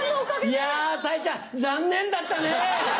いやたいちゃん残念だったね。